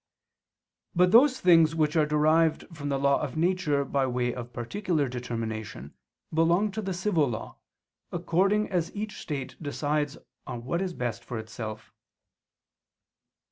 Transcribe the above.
But those things which are derived from the law of nature by way of particular determination, belong to the civil law, according as each state decides on what is best for itself.